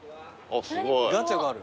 ガチャがある。